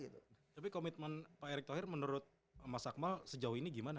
tapi komitmen pak erick thohir menurut mas akmal sejauh ini gimana